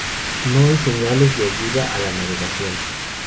No hay señales de ayuda a la navegación.